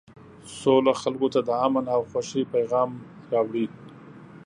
سوله خلکو ته د امن او خوښۍ پیغام راوړي.